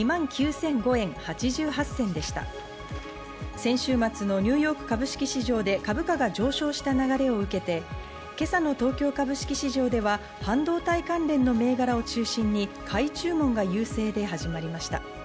先週末のニューヨーク株式市場で株価が上昇した流れを受けて、今朝の東京株式市場では半導体関連の銘柄を中心に買い注文が優勢で始まりました。